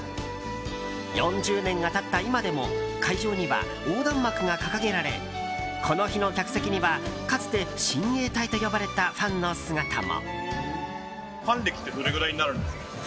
４０年が経った今でも会場には横断幕が掲げられこの日の客席にはかつて親衛隊と呼ばれたファンの姿も。